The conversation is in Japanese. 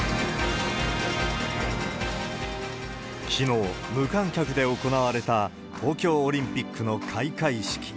きのう、無観客で行われた東京オリンピックの開会式。